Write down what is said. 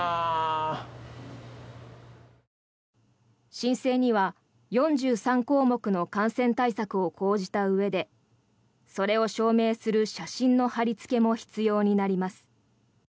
申請には４３項目の感染対策を講じたうえでそれを証明する写真の貼りつけも必要になります。